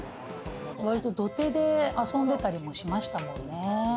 土手で遊んでたりもしましたもんね。